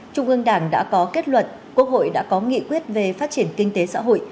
trung ương đảng đã có kết luận quốc hội đã có nghị quyết về phát triển kinh tế xã hội